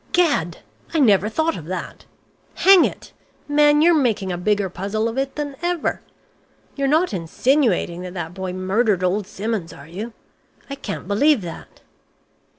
"Gad! I never thought of that. Hang it! man, you're making a bigger puzzle of it than ever. You're not insinuating that that boy murdered old Simmons, are you? I can't believe that."